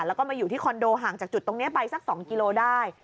แล้วก็มาอยู่ที่คอนโดห่างจากจุดตรงนี้ไปสัก๒กิโลได้